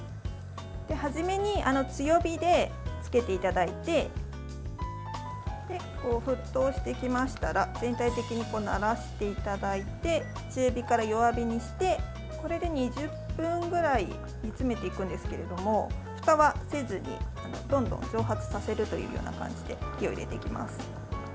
初めに強火でつけていただいて沸騰してきましたら全体的にならしていただいて中火から弱火にして２０分ぐらい煮詰めていくんですけれどもふたはせずに、どんどん蒸発させるというような感じで火を入れていきます。